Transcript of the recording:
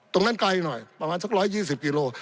ตรงนั้นไกลหน่อยประมาณสัก๑๒๐กิโล